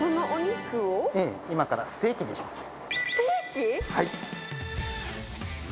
今からステーキにします。